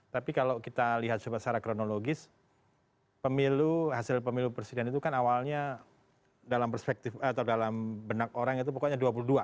tapi kalau kita lihat secara kronologis pemilu hasil pemilu presiden itu kan awalnya dalam perspektif atau dalam benak orang itu pokoknya dua puluh dua